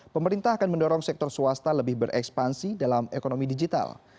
pemerintah akan mendorong sektor swasta lebih berekspansi dalam ekonomi digital